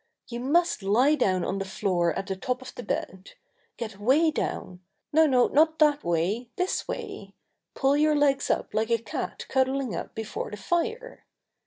"You must lie down on the floor at the foot of the bed. Get way down ! No, no, not that way! This way! Pull your legs up like a cat cuddling up before the fire.